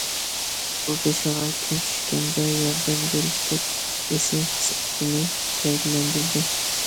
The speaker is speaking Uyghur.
بۇ، بېشىغا كۈن چۈشكەندە ياردەم بېرىشتەك ئېسىل خىسلىتىنى گەۋدىلەندۈردى.